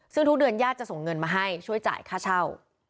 ซึ่งทุกเดือนญาติจะส่งเงินมาให้ช่วยจ่ายค่าเช่า